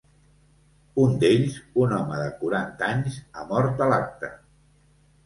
Un d’ells, un home de quaranta anys, ha mort a l’acte.